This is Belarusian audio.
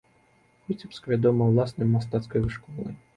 Віцебск вядомы ўласнай мастацкай школай.